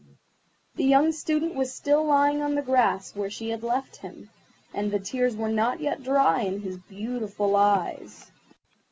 The young Student was still lying on the grass, where she had left him, and the tears were not yet dry in his beautiful eyes.